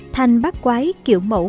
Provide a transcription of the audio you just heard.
thành bác quái kiểu mẫu